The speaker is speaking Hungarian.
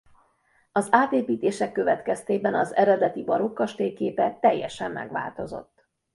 Az átépítések következtében az eredeti barokk kastély képe teljesen megváltozott.